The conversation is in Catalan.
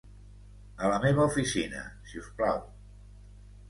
A la meva oficina si us plau.